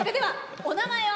お名前を。